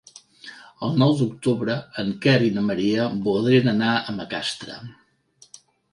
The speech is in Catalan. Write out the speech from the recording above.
El nou d'octubre en Quer i na Maria voldrien anar a Macastre.